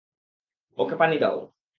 ওকে পানি দাও।